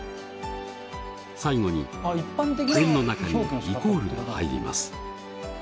最後に円の中にイコールが入ります。